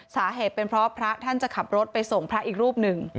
สาเหตุเป็นเพราะพระท่านจะขับรถไปส่งพระอีกรูปหนึ่ง